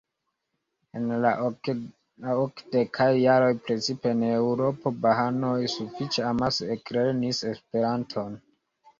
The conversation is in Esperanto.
En la okdekaj jaroj precipe en Eŭropo bahaanoj sufiĉe amase eklernis Esperanton.